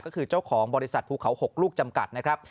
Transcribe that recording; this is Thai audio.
ก็คือเจ้าของบริษัทภูเขา๖ลูกจำกัดนะครับ